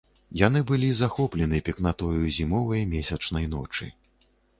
Яны былі захоплены пекнатою зімовай месячнай ночы.